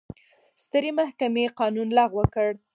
سترې محکمې قانون لغوه کړ.